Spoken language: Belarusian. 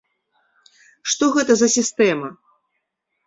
Што гэта за сістэма?